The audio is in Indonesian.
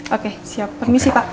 oke siap permisi pak